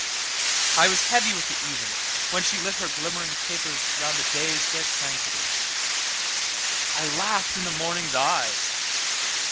I was heavy with the even, When she lit her glimmering tapersRound the day's dead sanctities.I laughed in the morning's eyes.